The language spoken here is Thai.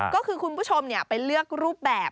ก็คือคุณผู้ชมไปเลือกรูปแบบ